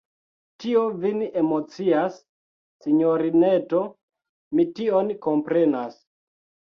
Tio vin emocias, sinjorineto: mi tion komprenas.